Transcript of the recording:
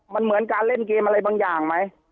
มันเหมือนการเล่นเกมอะไรบางอย่างไหม